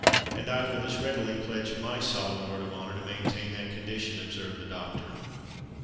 "And I will as readily pledge my solemn word of honour to maintain that condition," observed the doctor.